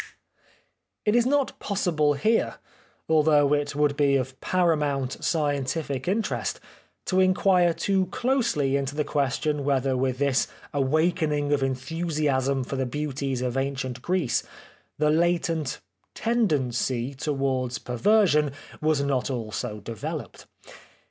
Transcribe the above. It is not possible here, although it would be of paramount scientific interest, to inquire too closely into the question whether with this awakening of enthusiasm for the beauties of antique Greece the latent tendency towards perversion was not also developed.